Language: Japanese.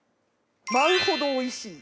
舞うほどおいしい。